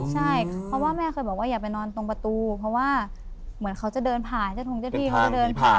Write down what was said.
ใช่เพราะว่าแม่เคยบอกว่าอย่าไปนอนตรงประตูเพราะว่าเหมือนเขาจะเดินผ่านเจ้าทงเจ้าที่เขาจะเดินผ่าน